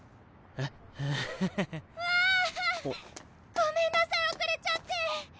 ごめんなさい遅れちゃって。